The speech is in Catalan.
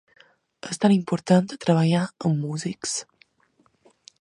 És tan important treballar amb músics!